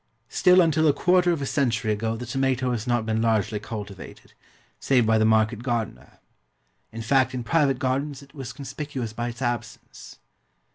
Still until a quarter of a century ago the tomato has not been largely cultivated, save by the market gardener; in fact in private gardens it was conspicuous by its absence.